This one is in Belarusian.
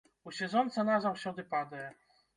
У сезон цана заўсёды падае.